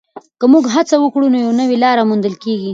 که موږ هڅه وکړو، یوه نوې لاره موندل کېږي.